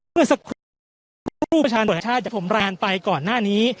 เมื่อสักครู่รูปประชาชน์ประชาชน์จะสมราญไปก่อนหน้านี้